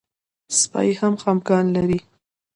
سپي هم خپګان لري.